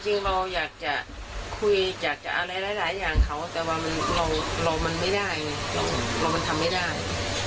จริงเราอยากจะคุยอยากจะอะไรหลายอย่างเขาแต่ว่าเรามันไม่ได้ไงเรามันทำไม่ได้